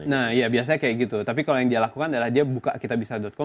nah iya biasanya kayak gitu tapi kalau yang dia lakukan adalah dia buka kita bisa doa